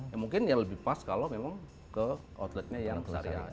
ya mungkin ya lebih pas kalau memang ke outletnya yang besar